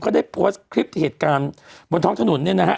ได้โพสต์คลิปเหตุการณ์บนท้องถนนเนี่ยนะฮะ